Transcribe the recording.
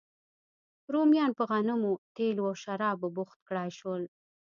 رومیان په غنمو، تېلو او شرابو بوخت کړای شول